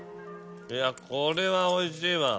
いやこれはおいしいわ。